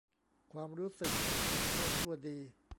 ความรู้สึกผิดชอบชั่วดี